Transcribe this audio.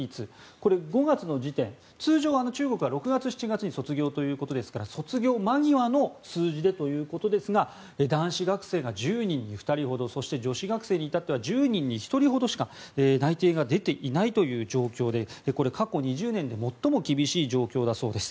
これは５月の時点通常、中国は６月、７月に卒業ということですから卒業間際の数字ということですが男子学生が１０人に２人ほどそして女子学生に至っては１０人に１人ほどしか内定が出ていないという状況でこれ、過去２０年で最も厳しい状況だそうです。